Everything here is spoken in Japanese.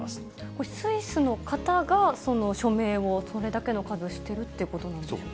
これ、スイスの方が署名をそれだけの数、してるっていうことなんですか？